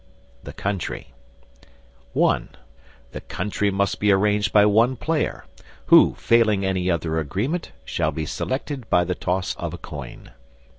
THE COUNTRY (1) The Country must be arranged by one player, who, failing any other agreement, shall be selected by the toss of a coin.